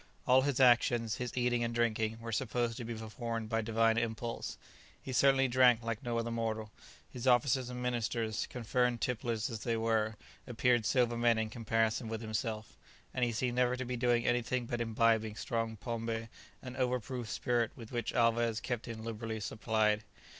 All his actions, his eating and drinking, were supposed to be performed by divine impulse. He certainly drank like no other mortal; his officers and ministers, confirmed tipplers as they were, appeared sober men in comparison with himself, and he seemed never to be doing anything but imbibing strong pombé, and over proof spirit with which Alvez kept him liberally supplied.